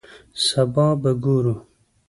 سبا به ګورو